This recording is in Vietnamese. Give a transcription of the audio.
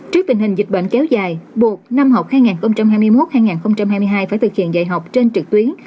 trước tình hình dịch bệnh kéo dài buộc năm học hai nghìn hai mươi một hai nghìn hai mươi hai phải thực hiện dạy học trên trực tuyến